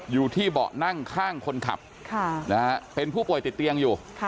อยู่ที่เบาะนั่งข้างคนขับเป็นผู้ป่วยติดเตียงอยู่